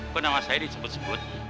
kok nama saya disebut sebut